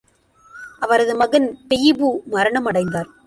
அவரது மகன் பெயிபு மரணமடைந்தார்!